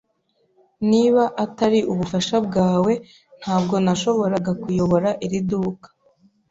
Niba atari ubufasha bwawe, ntabwo nashoboraga kuyobora iri duka.